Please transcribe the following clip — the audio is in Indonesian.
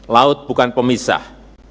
laut bukan pemisah